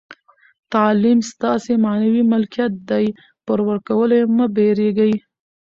تعلیم ستاسي معنوي ملکیت دئ، پر ورکولو ئې مه بېرېږئ!